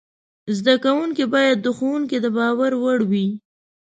زده کوونکي باید د ښوونکي د باور وړ وای.